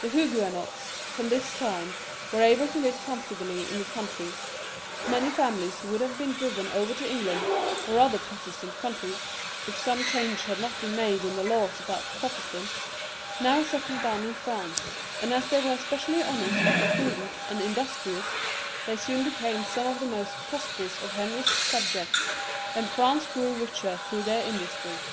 The Huguenots, from this time, were able to live comfortably in the country; many families who would have been driven over to England or other Protestant countries, if some change had not been made in the laws about Protestants, now settled down in France, and as they were specially honest, prudent, and industrious, they soon became some of the most prosperous of Henry's subjects, and France grew richer through their industry.